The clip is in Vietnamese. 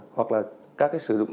hoặc là các cái sử dụng